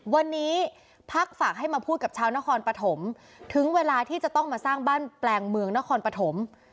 วันนี้พักฝากให้มาพูดกับชาวนครปฐมถึงเวลาที่จะต้องมาสร้างบ้านแปลงเมืองนครปฐม